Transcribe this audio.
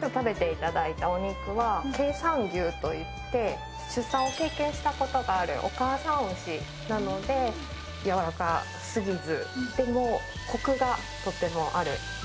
今日食べていただいたお肉は経産牛といって出産を経験したことがあるお母さん牛なのでやわらかすぎずでもコクがとてもある牛肉です